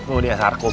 oh dia sarkom